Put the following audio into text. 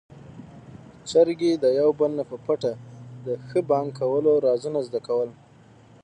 چرګې د يو بل نه په پټه د ښه بانګ کولو رازونه زده کول.